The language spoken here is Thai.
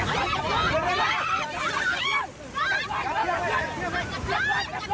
สวัสดีครับ